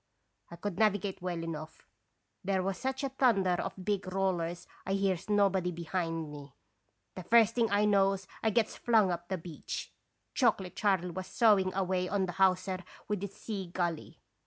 I could navigate well enough. There was such a thunder of big rollers I hears nobody behind me. The first I knows I gets flung up the beach. Chocolate Charley was sawing away on the hawser with his sea gully.